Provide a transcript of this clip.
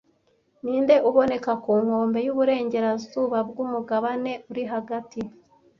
Ninde uboneka ku nkombe yuburengerazuba bwumugabane uri hagati